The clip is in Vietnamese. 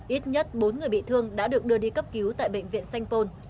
ít nhất bốn người bị thương đã được đưa đi cấp cứu tại bệnh viện sanh pôn